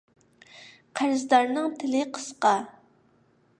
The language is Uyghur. قەرزدارنىڭ تىلى قىسقا.